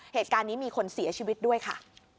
เหตุการณ์นี้มีคนเสียชีวิตด้วยค่ะ